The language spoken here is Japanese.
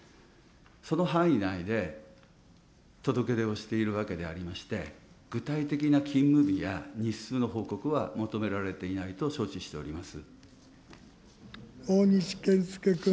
その範囲内で届け出をしているわけでありまして、具体的な勤務日や日数の報告は求められていないと承知しておりま大西健介君。